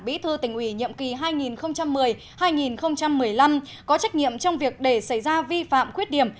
bí thư tỉnh ủy nhiệm kỳ hai nghìn một mươi hai nghìn một mươi năm có trách nhiệm trong việc để xảy ra vi phạm khuyết điểm